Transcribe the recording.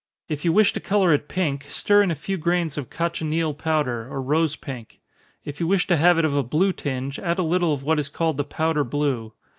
If you wish to color it pink, stir in a few grains of cochineal powder, or rose pink if you wish to have it of a blue tinge, add a little of what is called the powder blue.